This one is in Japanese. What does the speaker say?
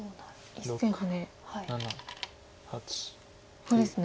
ここですね。